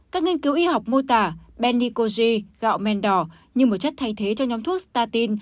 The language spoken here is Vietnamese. các nghiên cứu y học mô tả bennikoji gạo men đỏ như một chất thay thế cho nhóm thuốc statine